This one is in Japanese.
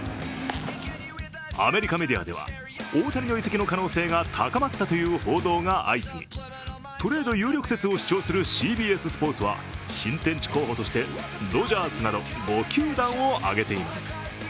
アメリカメディアでは、大谷の移籍の可能性が高まったという報道が相次ぎトレード有力説を主張するＣＢＳスポーツは新天地候補としてドジャースなど５球団を挙げています。